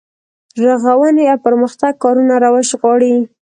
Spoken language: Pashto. رغونې او پرمختګ کارونه روش غواړي.